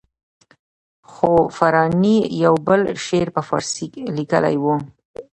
خو فاراني یو بل شعر په فارسي لیکلی وو.